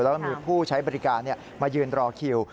แล้วก็มีผู้ใช้บริการมายืนรอคิว